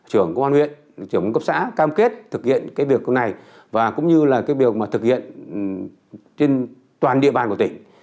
trưởng công an huyện trưởng cấp xã cam kết thực hiện cái việc này và cũng như là cái việc mà thực hiện trên toàn địa bàn của tỉnh